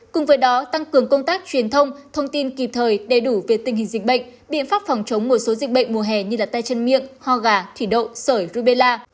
cùng với đó tăng cường công tác truyền thông thông tin kịp thời đầy đủ về tình hình dịch bệnh biện pháp phòng chống một số dịch bệnh mùa hè như tay chân miệng ho gà chỉ đậu sởi rubella